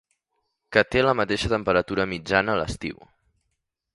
Que té la mateixa temperatura mitjana a l'estiu.